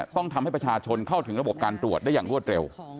ต้องทำให้ประชาชนเข้าถึงระบบการตรวจได้อย่างรวดเร็ว